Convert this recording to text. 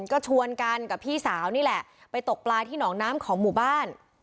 ก็ชวนกันกับพี่สาวนี่แหละไปตกปลาที่หนองน้ำของหมู่บ้าน